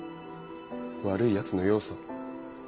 悪いヤツの要素